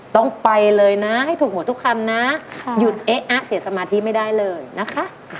ต้องไปเลยนะให้ถูกหมดทุกคำนะหยุดเอ๊ะอะเสียสมาธิไม่ได้เลยนะคะ